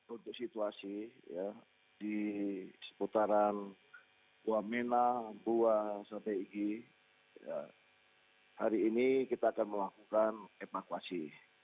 untuk situasi di seputaran buamena bua sate igi hari ini kita akan melakukan evakuasi